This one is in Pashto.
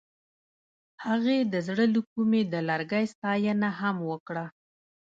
هغې د زړه له کومې د لرګی ستاینه هم وکړه.